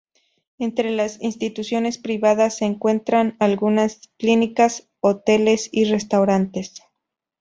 Entre las instituciones privadas se encuentran algunas clínicas, hoteles y restaurantes.